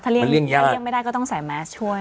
ถ้าเลี่ยงไม่ได้ก็ต้องใส่แมสช่วย